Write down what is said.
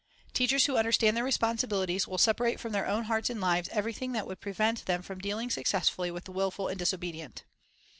Teachers who understand their responsibilities will separate from their own hearts and lives everything that would prevent them from dealing successfully with the wilful and disobedient.